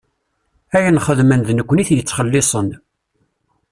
Ayen xeddmen d nekkni i t-yettxellisen.